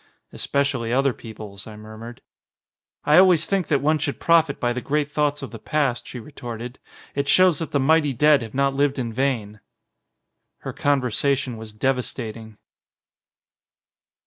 "Especially other people's," I murmured. "I always think that one should profit by the great thoughts of the past," she retorted. "It shows that the mighty dead have not lived in vain." Her conversation was devastating.